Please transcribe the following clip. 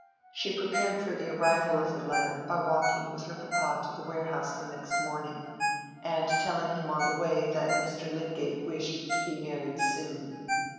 She prepared for the arrival of the letter by walking with her papa to the warehouse the next morning, and telling him on the way that Mr. Lydgate wished to be married soon.